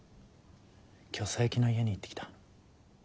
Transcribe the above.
今日佐伯の家に行ってきた。